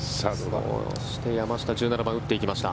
山下、１７番打っていきました。